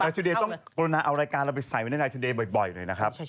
รายตูเดยนต้องเอารายการวิชาไซม์ด้วยรายตูเดยนบ่อยเลยนะครับ